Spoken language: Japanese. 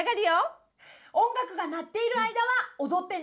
音楽が鳴っている間は踊ってね！